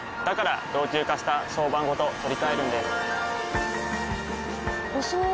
から老朽化した床版ごと取り替えるんです。